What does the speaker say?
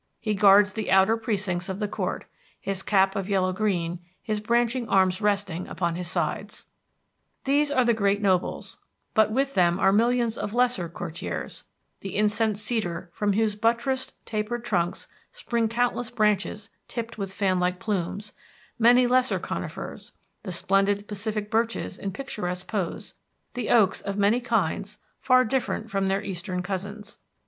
He guards the outer precincts of the court, his cap of yellow green, his branching arms resting upon his sides. These are the great nobles, but with them are millions of lesser courtiers, the incense cedar from whose buttressed, tapering trunks spring countless branches tipped with fan like plumes; many lesser conifers; the splendid Pacific birches in picturesque pose; the oaks of many kinds far different from their eastern cousins.